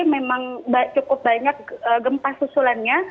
memang cukup banyak gempa susulannya